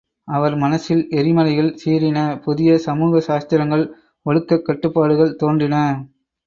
அவர் மனசில் எரிமலைகள் சீறின புதிய சமூக சாஸ்திரங்கள், ஒழுக்கக் கட்டுப்பாடுகள் தோன்றின.